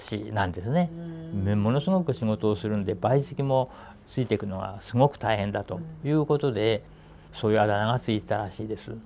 ものすごく仕事をするんで陪席も付いていくのがすごく大変だということでそういうあだ名が付いてたらしいです。